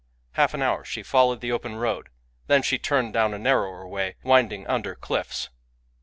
Half an hour she followed the open road; then she turned down a narrower way, winding under cliffs.